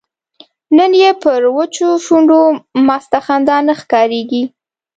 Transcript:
نن یې پر وچو شونډو مسته خندا نه ښکاریږي